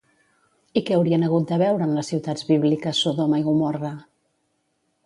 I què haurien hagut de veure en les ciutats bíbliques Sodoma i Gomorra?